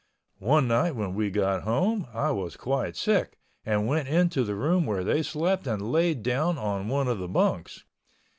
One night when we got home I was quite sick and went into the room where they slept and laid down on one of the bunks.